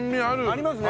ありますね。